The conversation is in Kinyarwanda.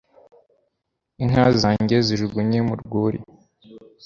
inka zanjye zijugunye mu rwuri